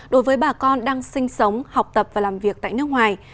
đối với bà con đang sinh sống học tập và làm việc tại nước ngoài